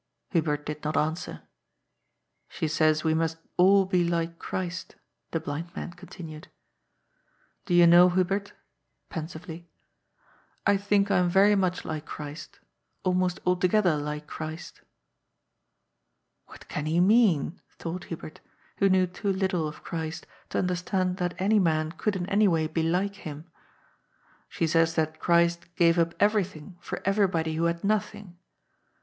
Hubert did not answer. ^' She says we must all be like Christ," the blind man continued. "Do you know, Hubert" — pensively — "I think I am very much like Christ, almost altogether like Christ" " What can he mean ?" thought Hubert, who knew too little of Christ to understand that any man could in any way be like Him. " She says that Christ gave up everything for everybody who had nothing.